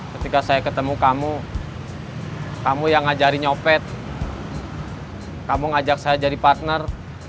ketika saya ketemu kamu kamu yang ngajari nyopet kamu ngajak saya jadi partner